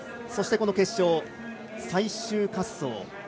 そして、この決勝では最終滑走。